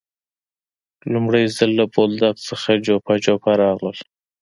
لومړی ځل له بولدک څخه جوپه جوپه راغلل.